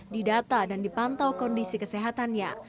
didata dan dipantau kondisi kesehatannya